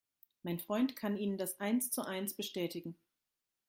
Mein Freund kann Ihnen das eins zu eins bestätigen.